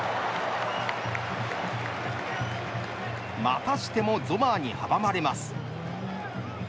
またしてもゾマーに阻まれます。